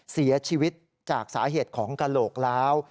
เสียชีวิตจากสาเหตุของกระโหลกล้าว